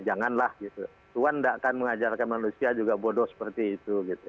janganlah tuhan tidak akan mengajarkan manusia juga bodoh seperti itu